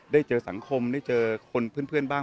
ได้เจอสังคมได้เจอคนเพื่อนบ้าง